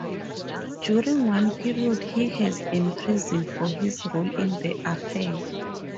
During one period he has imprisoned for his role in the affair.